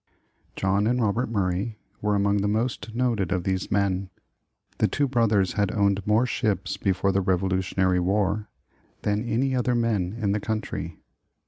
John and Robert Murray were among the most noted of these men. The two brothers had owned more ships before the Revolutionary War than any other men in the country.